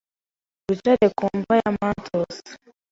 Wicare ku mva ya Mantos